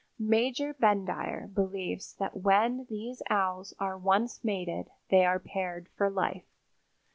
Major Bendire believes that when these Owls are once mated they are paired for life.